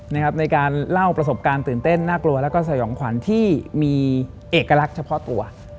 ในการเล่าประสบการณ์ตื่นเต้นน่ากลัวแล้วก็สยองขวัญที่มีเอกลักษณ์เฉพาะตัว